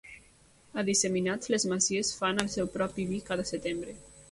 A disseminats, les masies fan el seu propi vi cada setembre.